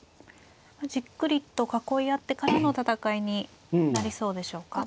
じっくりと囲い合ってからの戦いになりそうでしょうか。